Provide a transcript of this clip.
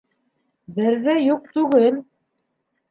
Бер ҙә юҡ түгел.